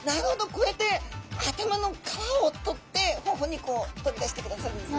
こうやって頭の皮を取ってほほ肉を取り出してくださるんですね。